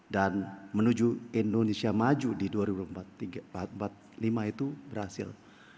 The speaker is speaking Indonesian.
dan menuju indonesia maju di dua ribu empat puluh lima itu berhasil